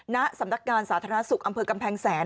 ณสำนักงานสาธารณสุขอำเภอกำแพงแสน